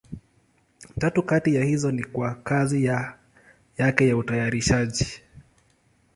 Tatu kati ya hizo ni kwa kazi yake ya utayarishaji.